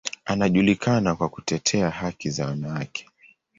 Anajulikana kwa kutetea haki za wanawake.